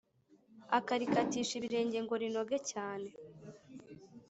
akarikatisha ibirenge ngo rinoge cyane